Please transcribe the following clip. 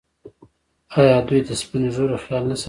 آیا دوی د سپین ږیرو خیال نه ساتي؟